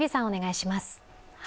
お願いします。